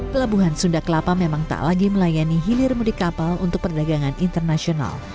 pelabuhan sunda kelapa memang tak lagi melayani hilir mudik kapal untuk perdagangan internasional